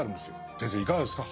先生いかがですか？